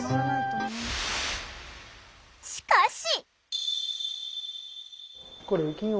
しかし！